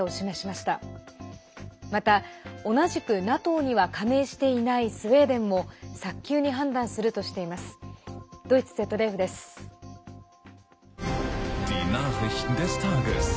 また、同じくＮＡＴＯには加盟していないスウェーデンも早急に判断するとしています。